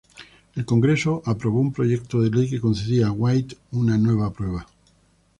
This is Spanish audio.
El Congreso aprobó un proyecto de ley que concedía a White una nueva prueba.